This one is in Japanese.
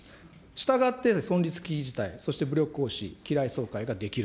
したがって、存立危機事態、そして武力行使、機雷掃海ができる。